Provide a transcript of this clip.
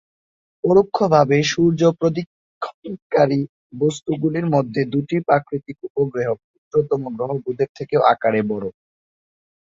পরোক্ষভাবে সূর্য-প্রদক্ষিণকারী বস্তুগুলির মধ্যে দু’টি প্রাকৃতিক উপগ্রহ ক্ষুদ্রতম গ্রহ বুধের থেকেও আকারে বড়ো।